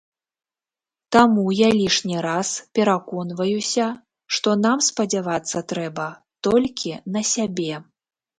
Таму я лішні раз пераконваюся, што нам спадзявацца трэба толькі на сябе.